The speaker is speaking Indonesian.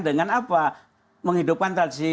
dengan apa menghidupkan tradisi